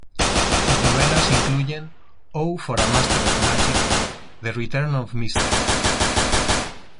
Sus novelas incluyen "O for a Master of Magic", "The Return of Mr.